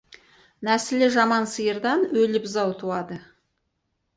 Нәсілі жаман сиырдан өлі бұзау туады.